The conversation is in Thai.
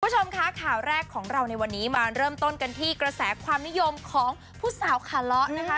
คุณผู้ชมคะข่าวแรกของเราในวันนี้มาเริ่มต้นกันที่กระแสความนิยมของผู้สาวขาเลาะนะคะ